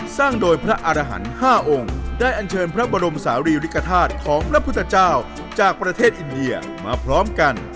สร้างโดยพระอารหันต์๕องค์ได้อันเชิญพระบรมศาลีริกฐาตุของพระพุทธเจ้าจากประเทศอินเดียมาพร้อมกัน